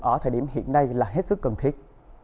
ở thời điểm hiện nay là hết sức cần thiết